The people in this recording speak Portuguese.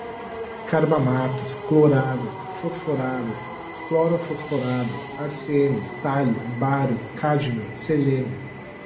carbamatos, clorados, fosforados, clorofosforados, arsênio, tálio, bário, cádmio, selênio